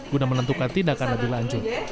guna menentukan tindakan lebih lanjut